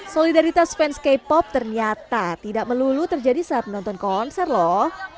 solidaritas fans k pop ternyata tidak melulu terjadi saat menonton konser loh